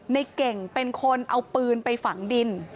ในเก่งเป็นคนเอาปืนไปฝังดิน